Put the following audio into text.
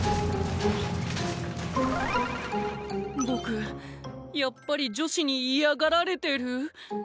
僕やっぱり女子に嫌がられてる？